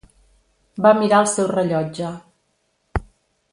Va mirar el seu rellotge.